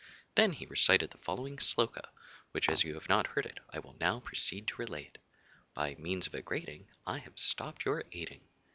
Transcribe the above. Then he recited the following Sloka, which, as you have not heard it, I will now proceed to relate By means of a grating I have stopped your ating.